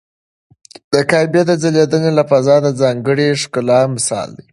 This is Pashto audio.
د کعبې ځلېدنه له فضا د ځانګړي ښکلا مثال دی.